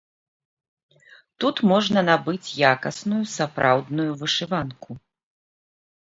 Тут можна набыць якасную сапраўдную вышыванку.